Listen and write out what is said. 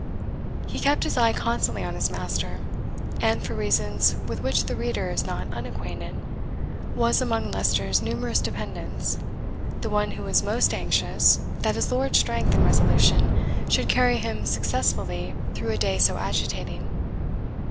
He kept his eye constantly on his master, and, for reasons with which the reader is not unacquainted, was, among Leicester's numerous dependants, the one who was most anxious that his lord's strength and resolution should carry him successfully through a day so agitating.